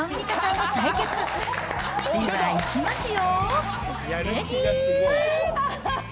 では、いきますよ。